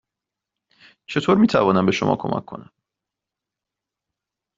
چطور می توانم به شما کمک کنم؟